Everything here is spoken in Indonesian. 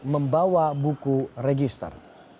membawa buku register